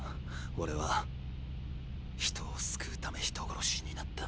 俺は人を救うため人殺しになった。